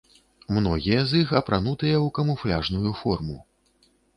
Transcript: Многія з іх апранутыя ў камуфляжную форму.